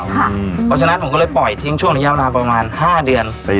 เพราะฉะนั้นผมก็เลยปล่อยทิ้งช่วงระยะเวลาประมาณ๕เดือน